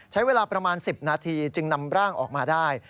ใช้เวลาประมาณ๑๐นาทีจึงนำร่างออกมาได้